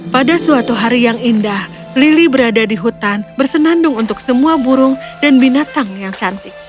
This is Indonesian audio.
pada suatu hari yang indah lili berada di hutan bersenandung untuk semua burung dan binatang yang cantik